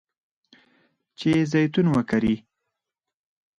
چې زیتون وکري.